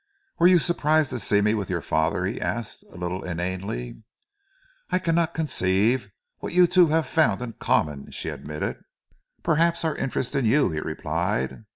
"Were you surprised to see me with your father?" he asked, a little inanely. "I cannot conceive what you two have found in common," she admitted. "Perhaps our interest in you," he replied.